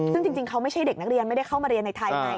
ซึ่งจริงเขาไม่ใช่เด็กนักเรียนไม่ได้เข้ามาเรียนในไทยไง